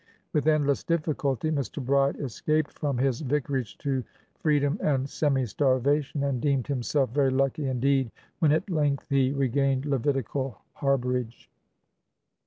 With endless difficulty Mr. Bride escaped from his vicarage to freedom and semi starvation, and deemed himself very lucky indeed when at length he regained levitical harbourage.